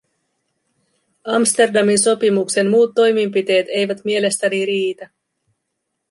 Amsterdamin sopimuksen muut toimenpiteet eivät mielestäni riitä.